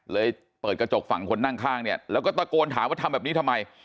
เปิดกระจกฝั่งคนนั่งข้างเนี่ยแล้วก็ตะโกนถามว่าทำแบบนี้ทำไม